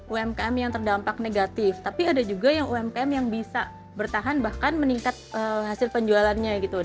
umkm yang terdampak negatif tapi ada juga yang umkm yang bisa bertahan bahkan meningkat hasil penjualannya gitu